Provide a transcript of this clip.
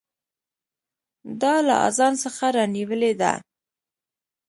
دا له اذان څخه رانیولې ده.